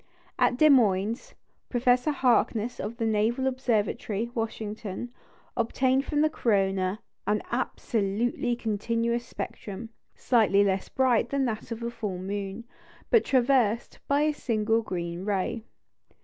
At Des Moines, Professor Harkness of the Naval Observatory, Washington, obtained from the corona an "absolutely continuous spectrum," slightly less bright than that of the full moon, but traversed by a single green ray.